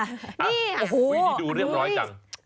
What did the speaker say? นี่ดูเรียบร้อยจัง